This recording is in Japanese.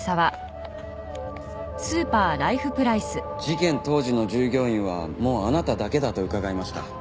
事件当時の従業員はもうあなただけだと伺いました。